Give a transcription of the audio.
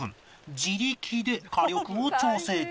自力で火力を調整中